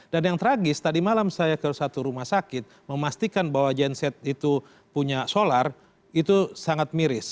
dan yang tragis tadi malam saya ke satu rumah sakit memastikan bahwa genset itu punya solar itu sangat miris